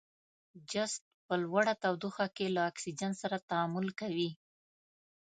جست په لوړه تودوخه کې له اکسیجن سره تعامل کوي.